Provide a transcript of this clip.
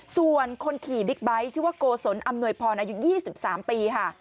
ส่วนคนขี่บิ๊กไบท์ชื่อว่าโกศลอำนวยพรอายุ๒๓ปีค่ะ